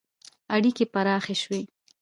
• اړیکې پراخې شوې.